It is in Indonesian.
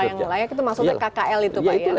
yang layak itu maksudnya kkl itu pak ya